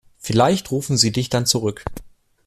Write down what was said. Vielleicht ruft sie dich dann zurück.